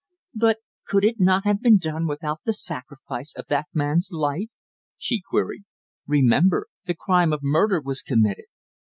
"But could it not have been done without the sacrifice of that man's life?" she queried. "Remember! The crime of murder was committed."